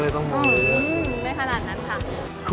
ไม่ขนาดนั้นค่ะ